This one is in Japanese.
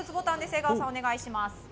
江川さん、お願いします。